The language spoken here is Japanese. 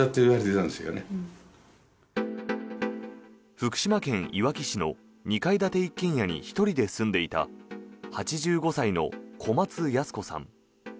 福島県いわき市の２階建て一軒家に１人で住んでいた８５歳の小松ヤス子さん。